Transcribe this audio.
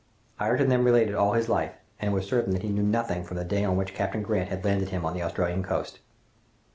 "Ayrton then related all his life, and it was certain that he knew nothing from the day on which Captain Grant had landed him on the Australian coast.